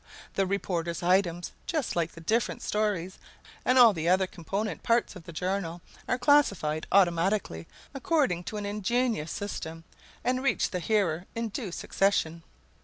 The reporters' items, just like the different stories and all the other component parts of the journal, are classified automatically according to an ingenious system, and reach the hearer in due succession.